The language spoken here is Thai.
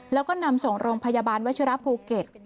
แล้วก็นำส่งโรงพยาบาลวัชิระภูเก็ต